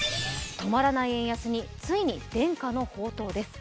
止まらない円安についに伝家の宝刀です。